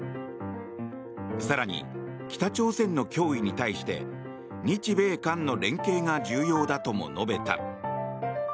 更に北朝鮮の脅威に対して日米韓の連携が重要だとも述べた。